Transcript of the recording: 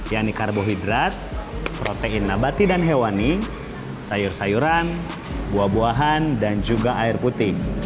yakni karbohidrat protein nabati dan hewani sayur sayuran buah buahan dan juga air putih